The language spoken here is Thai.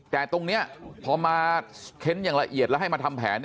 แต่ตรงนี้พอมาเค้นอย่างละเอียดแล้วให้มาทำแผน